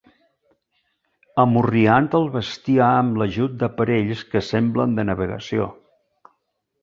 Amorriant el bestiar amb l'ajut d'aparells que semblen de navegació.